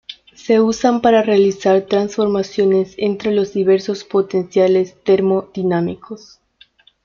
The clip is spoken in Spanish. Se usan para realizar transformaciones entre los diversos potenciales termodinámicos.